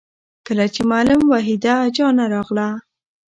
کله چې معلم وحيده جانه راغله